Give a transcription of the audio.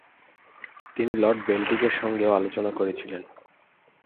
তিনি লর্ড বেন্টিকের সঙ্গেও আলোচনা করেছিলেন।